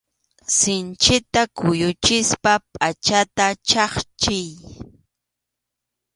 Sinchita kuyuchispa pʼachata chhapchiy.